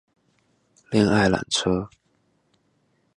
戀愛纜車